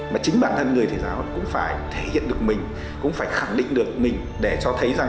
mà chính bản thân người thầy giáo cũng phải thể hiện được mình cũng phải khẳng định được mình để cho thấy rằng